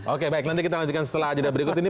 oke baik nanti kita lanjutkan setelah ajadah berikut ini